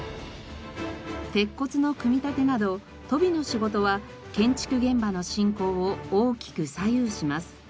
鉄骨の組み立てなどとびの仕事は建築現場の進行を大きく左右します。